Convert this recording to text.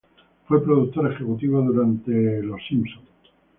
Fue productor ejecutivo durante la y de "Los Simpson.